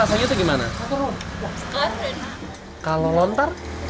banyaknya pasti tapi banyaknya buknya